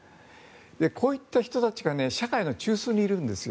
こういった人たちが社会の中枢にいるんです。